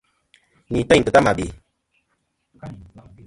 Ni têyn ki ta mà bè.